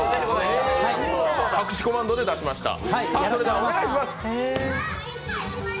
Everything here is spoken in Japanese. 隠しコマンドで鬼を出しました。